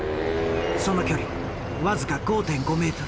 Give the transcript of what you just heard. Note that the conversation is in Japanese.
その距離僅か５．５ｍ。